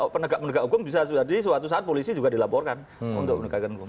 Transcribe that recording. penegak penegak hukum bisa jadi suatu saat polisi juga dilaporkan untuk menegakkan hukum